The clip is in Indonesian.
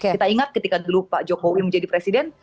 kita ingat ketika dulu pak jokowi menjadi presiden